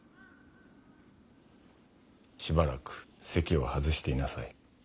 しばらく席を外していなさい。